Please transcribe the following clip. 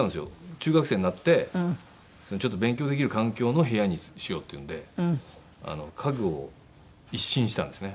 中学生になってちょっと勉強できる環境の部屋にしようっていうので家具を一新したんですね。